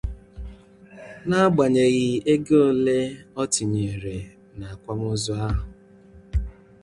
n'agbànyèghị ego ole ọ tụnyere n'akwamozu ahụ.